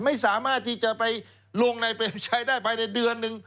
ไม่สามารถที่จะไปลงในเปรมชัยได้ภายในเดือนหนึ่ง